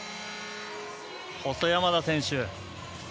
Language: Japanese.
細山田選手。